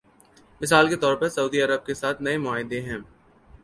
مثال کے طور پر سعودی عرب کے ساتھ نئے معاہدے ہیں۔